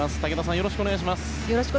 よろしくお願いします。